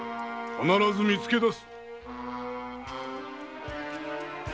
必ず見つけ出す。